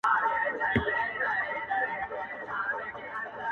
نور به د پېغلوټو د لونګ خبري نه کوو-